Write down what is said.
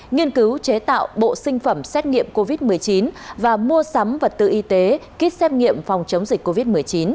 nghiên cứu chế tạo bộ sinh phẩm xét nghiệm covid một mươi chín và mua sắm vật tư y tế kit xét nghiệm phòng chống dịch covid một mươi chín